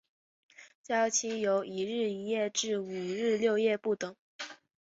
醮期由一日一夜至五日六夜不等。